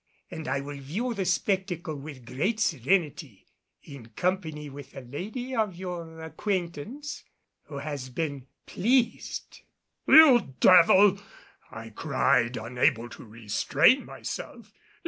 And I will view the spectacle with great serenity in company with a lady of your acquaintance who has been pleased " "You devil!" I cried, unable to restrain myself.